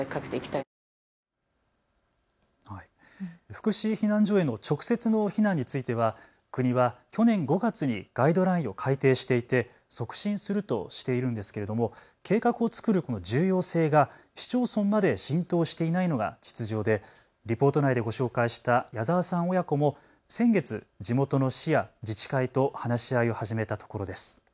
福祉避難所への直接の避難については国は去年５月にガイドラインを改定していて促進するとしているんですけれども計画を作る重要性が市町村まで浸透していないのが実情でリポート内でご紹介した矢澤さん親子も、先月、地元の市や自治会と話し合いを始めたところです。